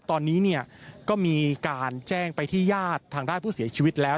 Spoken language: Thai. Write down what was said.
ตอนนี้เนี่ยก็มีการแจ้งไปที่ญาติทางด้านผู้เสียชีวิตแล้ว